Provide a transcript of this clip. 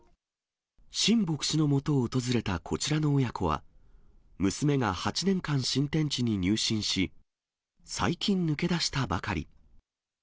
シン牧師のもとを訪れたこちらの親子は、娘が８年間、新天地に入信し、最近抜け出したばかり。